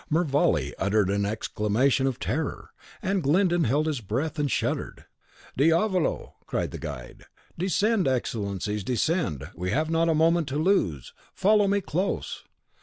Mervale uttered an exclamation of terror, and Glyndon held his breath, and shuddered. "Diavolo!" cried the guide. "Descend, Excellencies, descend! we have not a moment to lose; follow me close!"